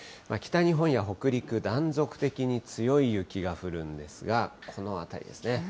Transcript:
北日本や北陸、断続的に強い雪が降るんですが、この辺りですね。